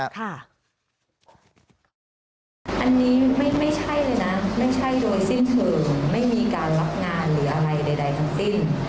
อันนี้ไม่ใช่เลยนะไม่ใช่โดยสิ้นเชิงไม่มีการรับงานหรืออะไรใดทั้งสิ้น